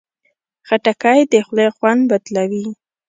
خټکی د خولې خوند بدلوي.